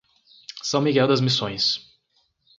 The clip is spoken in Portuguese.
São Miguel das Missões